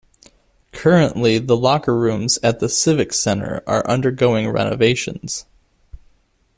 Currently the locker rooms at the Civic Center are undergoing renovations.